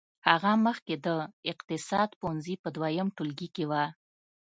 هغه مخکې د اقتصاد پوهنځي په دريم ټولګي کې وه.